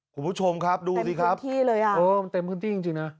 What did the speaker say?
คุณผู้ชมครับดูสิครับเต็มพื้นที่เลยอ่ะ